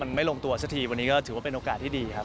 มันไม่ลงตัวสักทีวันนี้ก็ถือว่าเป็นโอกาสที่ดีครับ